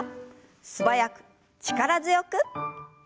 素早く力強く。